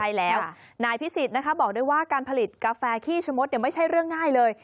ใช่แล้วนายพิศิษฐ์บอกด้วยว่าการผลิตกาแฟขี้ชมมตรไม่ใช่เรื่องง่ายเลย